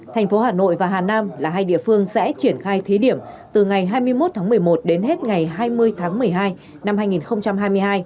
thành phố hà nội và hà nam là hai địa phương sẽ triển khai thí điểm từ ngày hai mươi một tháng một mươi một đến hết ngày hai mươi tháng một mươi hai năm hai nghìn hai mươi hai